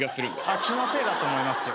気のせいだと思いますよ。